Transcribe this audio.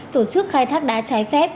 tổ chức khai thác đá trái phép